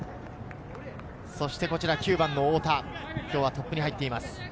そして９番の太田、今日はトップに入っています。